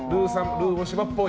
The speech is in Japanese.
ルー大柴っぽい。